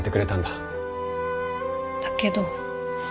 だけど。